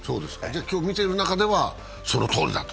今日見てる中では、そのとおりだと？